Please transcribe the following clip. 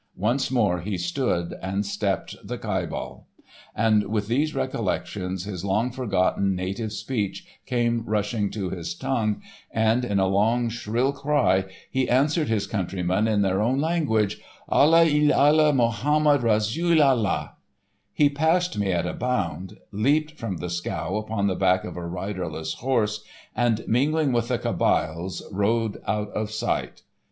Once more he stood and stepped the Kabyle. And with these recollections, his long forgotten native speech came rushing to his tongue, and in a long, shrill cry, he answered his countrymen in their own language: "Allah il Allah, Mohammed ressoul Allah." He passed me at a bound, leaped from the scow upon the back of a riderless horse, and, mingling with the Kabyles, rode out of sight.